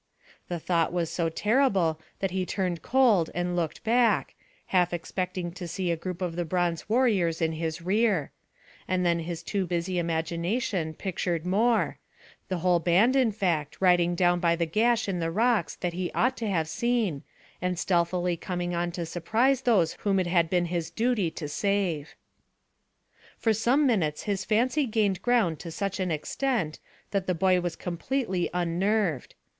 The thought was so terrible that he turned cold and looked back, half expecting to see a group of the bronze warriors in his rear; and then his too busy imagination pictured more, the whole band in fact riding down by the gash in the rocks that he ought to have seen, and stealthily coming on to surprise those whom it had been his duty to save. For some minutes his fancy gained ground to such an extent that the boy was completely unnerved.